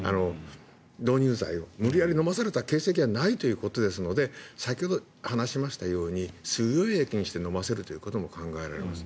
導入剤を無理やり飲まされた形跡はないということですので先ほど話しましたように水溶液にして飲ませることも考えられます。